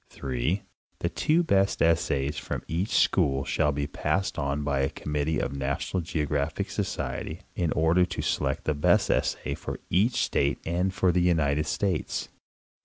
3. The two best essays from each school shall be passed on by a committee of the NationaAL GroGRAPHIC Society in order to select the best essay for each state and for the United States.